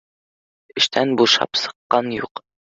Эштән бушап сыҡҡан юҡ